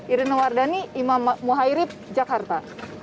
irina wardani imam muhairib jakarta